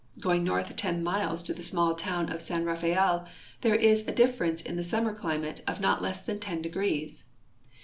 Going north ten miles to the small town of San Rafael there is a difference in. the summer climate of not less than 10 degrees.